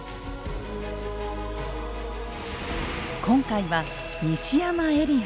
今回は西山エリア。